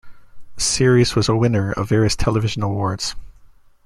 The series was a winner of various television awards.